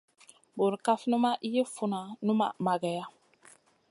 Burkaf numa yi funa numa mageya.